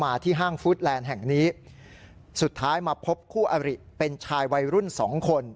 ที่ห้างฟู้ดแลนด์แห่งนี้สุดท้ายมาพบคู่อริเป็นชายวัยรุ่นสองคน